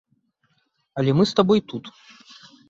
Але мы з табой тут.